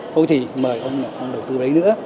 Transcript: thôi thì mời ông đầu tư đấy nữa